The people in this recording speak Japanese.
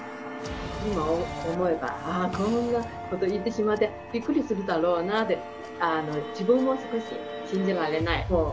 今思えばあこんなこと言ってしまってびっくりするだろうなって自分も少し信じられない。